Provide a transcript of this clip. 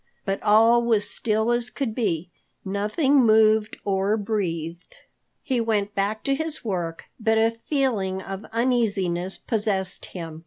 But all was still as could be—nothing moved or breathed. He went back to his work, but a feeling of uneasiness possessed him.